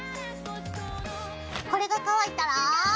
これが乾いたら。